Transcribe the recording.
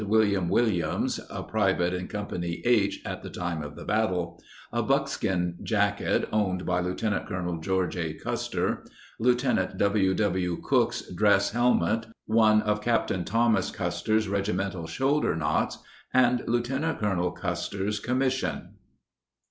William Williams (a private in Com pany Hat the time of the bat tle); a buckskin jacket owned by Lt. Col. George A. Custer; Lt. W. W. Cooke's dress hel met ; one of Capt. Thomas Custer's regimental shoulder knots; and Lt. Colonel Custer's commission.